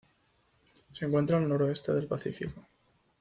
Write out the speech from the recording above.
Se encuentran al noroeste del Pacífico.